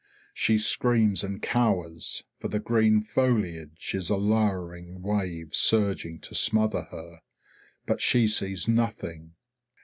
She screams and cowers, for the green foliage is a lowering wave surging to smother her. But she sees nothing.